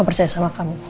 aku percaya sama kamu